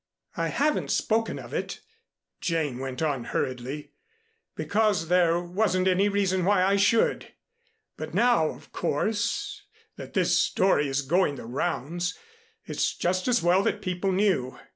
"I haven't spoken of it," Jane went on hurriedly, "because there wasn't any reason why I should. But now, of course, that this story is going the rounds, it's just as well that people knew.